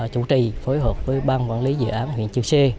chủ trì phối hợp với ban quản lý dự án huyện chư sê